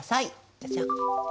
じゃじゃん。